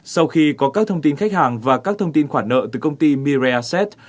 sau khi có các thông tin khách hàng và các thông tin khoản nợ từ công ty mirai assets